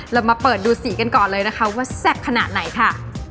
เรามาเปิดดูสีกันก่อนเลยนะคะว่าแซ่บขนาดไหนค่ะ